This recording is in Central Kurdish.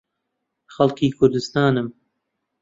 خەڵکی کوردستانم.